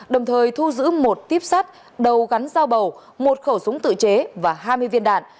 đồng thời thu giữ một tuyếp sắt đầu gắn dao bầu một khẩu súng tự chế và hai mươi viên đạn